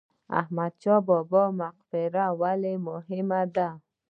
احمد شاه بابا مقبره ولې مهمه ده؟